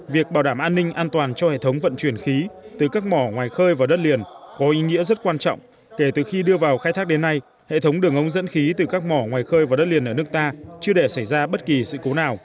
việc bảo đảm an ninh an toàn cho hệ thống vận chuyển khí từ các mỏ ngoài khơi vào đất liền có ý nghĩa rất quan trọng kể từ khi đưa vào khai thác đến nay hệ thống đường ống dẫn khí từ các mỏ ngoài khơi vào đất liền ở nước ta chưa để xảy ra bất kỳ sự cố nào